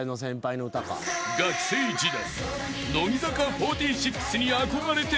［学生時代］